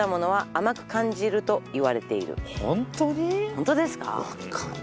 ホントですか？